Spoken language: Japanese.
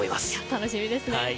楽しみですね。